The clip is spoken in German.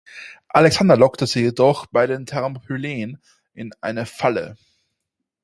Alexander lockte sie jedoch bei den Thermopylen in eine Falle.